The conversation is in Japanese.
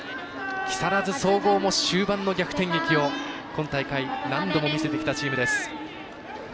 木更津総合も終盤の逆転劇を今大会、何度も見せてきたチームです。